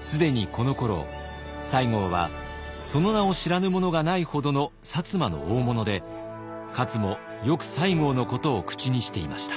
既にこのころ西郷はその名を知らぬ者がないほどの摩の大物で勝もよく西郷のことを口にしていました。